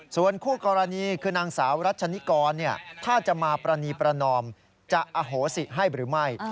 ส่วนคู่กรณีคือนางสาวรัชนิกรถ้าจะมาปรณีประนอมจะอโหสิให้หรือไม่